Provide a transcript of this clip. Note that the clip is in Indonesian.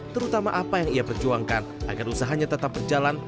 terutama apa yang ia perjuangkan agar usahanya tetap berjalan